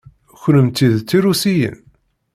Kennemti d tirusiyin?